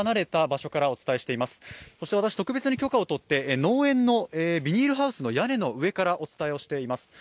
そして私、特別に許可をいただいて農園のビニールハウスの屋根からお伝えしています。